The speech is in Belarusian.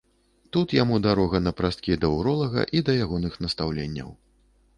Тут яму дарога напрасткі да ўролага і да ягоных настаўленняў.